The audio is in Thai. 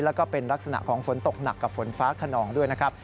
แล้วก็เป็นลักษณะของฝนตกหนักกับฝนฟ้าขนองด้วยนะครับ